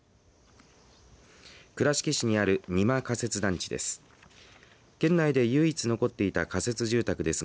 倉敷市にある二万仮設団地です。